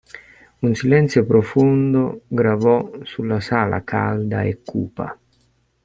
Un silenzio profondo gravò sulla sala calda e cupa.